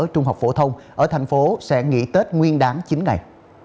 trung học phổ thông ở tp hcm sẽ nghỉ tết nguyên đáng chín ngày